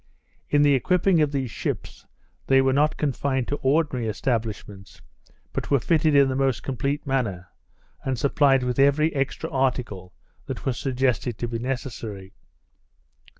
In the equipping of these ships, they were not confined to ordinary establishments, but were fitted in the most complete manner, and supplied with every extra article that was suggested to be necessary.